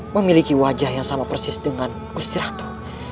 memiliki wajah yang sama persis dengan kusti ratu